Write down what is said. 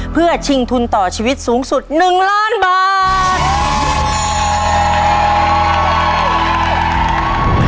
เพื่อชิงทุนต่อชีวิตสูงสุด๑ล้านบาท